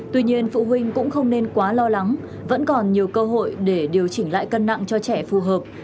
tuy nhiên phụ huynh cũng không nên quá lo lắng vẫn còn nhiều cơ hội để điều chỉnh lại cân nặng cho trẻ phù hợp